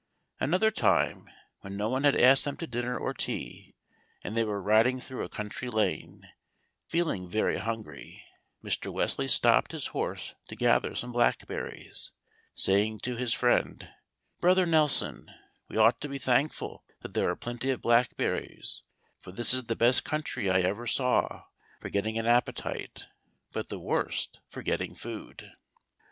Another time, when no one had asked them to dinner or tea, and they were riding through a country lane, feeling very hungry, Mr. Wesley stopped his horse to gather some blackberries, saying to his friend: "Brother Nelson, we ought to be thankful that there are plenty of blackberries, for this is the best country I ever saw for getting an appetite, but the worst for getting food."